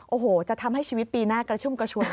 โอ้โหจะทำให้ชีวิตปีหน้ากระชุ่มกระชุน